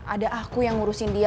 ada aku yang ngurusin dia